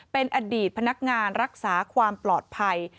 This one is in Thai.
เป็นอดีตพนักงานรักษาความปลอดภัย